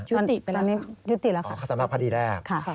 ยุติแล้วค่ะ